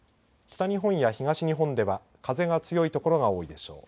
北日本や東日本では風が強い所が多いでしょう。